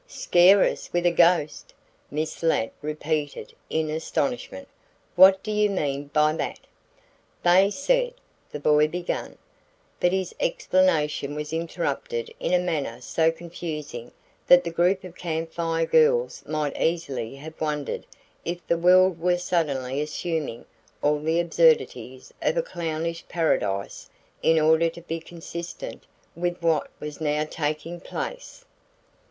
"Scare us with a ghost!" Miss Ladd repeated in astonishment. "What do you mean by that?" "They said " the boy began, but his explanation was interrupted in a manner so confusing that the group of Camp Fire Girls might easily have wondered if the world were suddenly assuming all the absurdities of a clownish paradise in order to be consistent with what was now taking place.